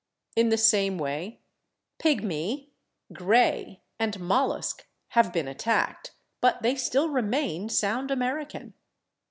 In the same way /pygmy/, /gray/ and /mollusk/ have been attacked, but they still remain sound American.